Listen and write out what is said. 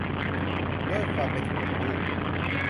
ด้วยความเป็นห่วงลูก